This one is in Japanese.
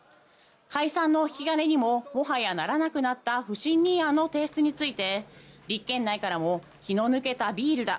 解散の引き金にももはやならなくなった不信任案の提出について立憲内からも気の抜けたビールだ